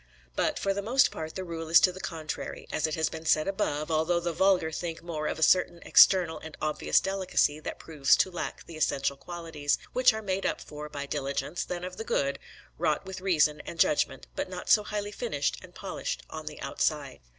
But for the most part the rule is to the contrary, as it has been said above, although the vulgar think more of a certain external and obvious delicacy that proves to lack the essential qualities, which are made up for by diligence, than of the good, wrought with reason and judgment, but not so highly finished and polished on the outside.